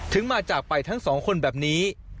มาจากไปทั้งสองคนแบบนี้